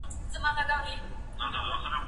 زه مخکي بوټونه پاک کړي وو!؟